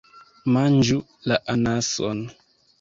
Manĝu la... anason.